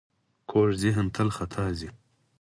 کوږ ذهن تل خطا ځي